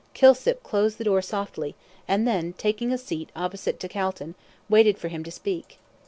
Kilsip closed the door softly, and then taking a seat opposite to Calton, waited for him to speak.